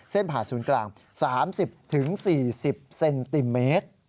ผ่าศูนย์กลาง๓๐๔๐เซนติเมตร